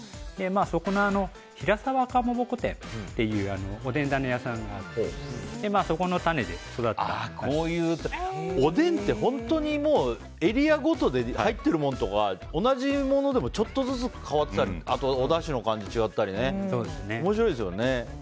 そこの平澤かまぼこ店というおでんだね屋さんがあっておでんって本当にエリアごとで入っているものとか同じものでもちょっとずつ変わってたりおだしの感じが違ったり面白いですよね。